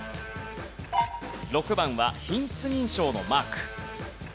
６番は品質認証のマーク。